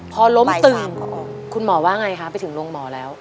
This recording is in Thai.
พอล้มตึงคุณหมอว่าไงคะไปถึงโรงหมอแล้ว